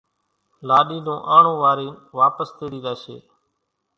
لاڏي نون آڻو وارين واپس تيڙي زاشي۔